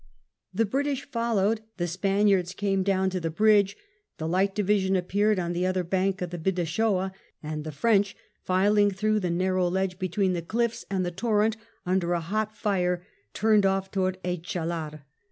The British followed, the Spaniards came down to the bridge, the Light Division appeared on the other bank of the Bidassoa, and the French filing through the narrow ledge between the cliffs and the torrent under a hot fire, turned off towards Echallar.